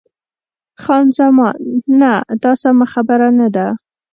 خان زمان: نه، دا سمه خبره نه ده.